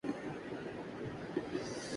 کھانے میں کیا ہے۔